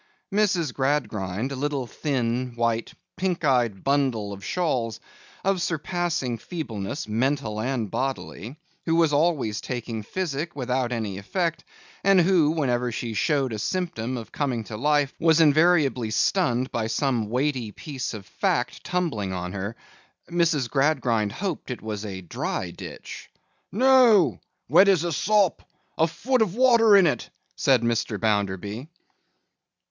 Mrs. Gradgrind, a little, thin, white, pink eyed bundle of shawls, of surpassing feebleness, mental and bodily; who was always taking physic without any effect, and who, whenever she showed a symptom of coming to life, was invariably stunned by some weighty piece of fact tumbling on her; Mrs. Gradgrind hoped it was a dry ditch? 'No! As wet as a sop. A foot of water in it,' said Mr. Bounderby.